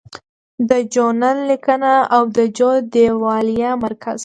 د جو نل لیکنه او د جو دیوالیه مرکز